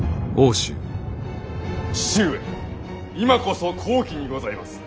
父上今こそ好機にございます！